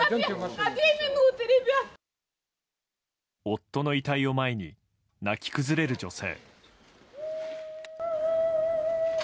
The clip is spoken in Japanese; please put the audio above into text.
夫の遺体を前に泣き崩れる女性。